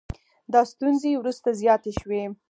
دا ستونزې وروسته زیاتې شوې